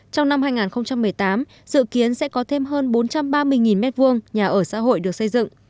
trong năm hai nghìn một mươi tám dự kiến sẽ có thêm hơn bốn trăm ba mươi m hai nhà ở xã hội được xây dựng